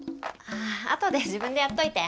後で自分でやっといて。